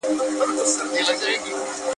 • هر بنده، خپل ئې عمل.